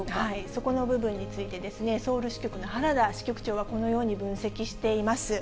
そこの部分についてですね、ソウル支局の原田支局長はこのように分析しています。